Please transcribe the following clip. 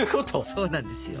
そうなんですよ。